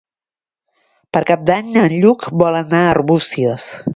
Per Cap d'Any en Lluc vol anar a Arbúcies.